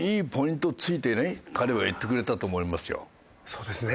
そうですね。